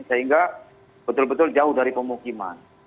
sehingga betul betul jauh dari pemukiman